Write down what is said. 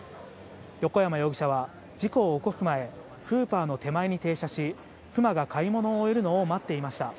横山容疑者は事故を起こす前、スーパーの手前に停車し、妻が買い物を終えるのを待っていました。